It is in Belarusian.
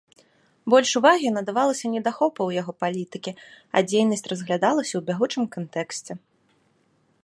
Больш увагі надавалася недахопаў яго палітыкі, а дзейнасць разглядалася ў бягучым кантэксце.